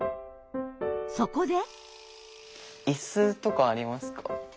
そこで。